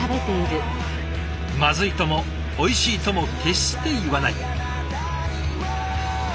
「まずい」とも「おいしい」とも決して言わない。